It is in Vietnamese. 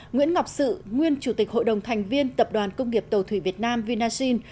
nguyễn ngọc sự nguyên chủ tịch hội đồng thành viên tập đoàn công nghiệp tàu thủy việt nam vinasin